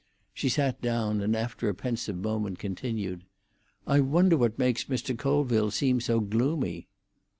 She sat down, and after a pensive moment continued, "I wonder what makes Mr. Colville seem so gloomy."